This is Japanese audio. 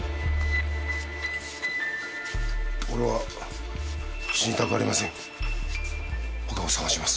俺は死にたくありませんほかを探します